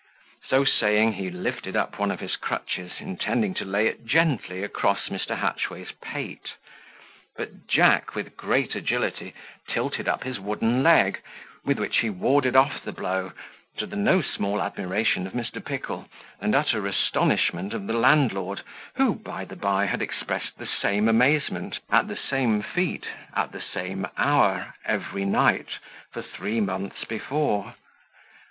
So saying, he lifted up one of his crutches, intending to lay it gently across Mr. Hatchway's pate; but Jack, with great agility, tilted up his wooden leg, with which he warded off the blow, to the no small admiration of Mr. Pickle, and utter astonishment of the landlord, who, by the bye, had expressed the same amazement, at the same feet, at the same hour, every night, for three months before.